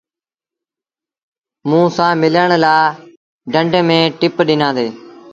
موݩٚ سآݩٚ ملڻ لآ ڍنڍ ميݩ ٽپ ڏنآندي۔